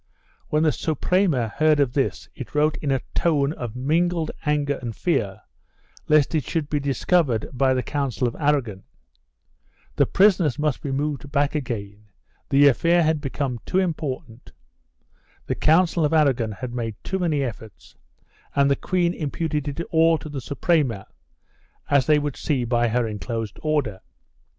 When the Suprema heard of this it wrote in a tone of mingled anger and fear, lest it should be discovered by the Council of Aragon; the prisoners must be moved back again ; the affair had become too important, the Council of Aragon had made too many efforts and the queen imputed it all to the Suprema as they would see by her enclosed order.